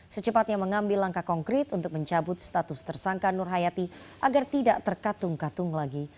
secepatnya mengambil langkah konkret untuk mencabut status tersangka nur hayati agar tidak terkatung katung lagi